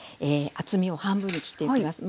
厚みを半分に切っていきます。